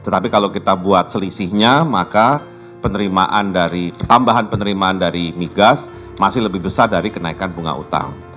tetapi kalau kita buat selisihnya maka penerimaan dari tambahan penerimaan dari migas masih lebih besar dari kenaikan bunga utang